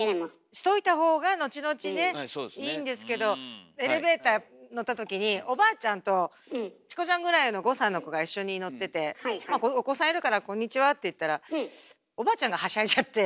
しといたほうがのちのちねいいんですけどエレベーター乗ったときにおばあちゃんとチコちゃんぐらいの５歳の子が一緒に乗っててまあお子さんいるから「こんにちは」って言ったらおばあちゃんがはしゃいじゃって「いつも見てるわよ！」